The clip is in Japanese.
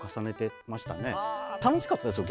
楽しかったですよ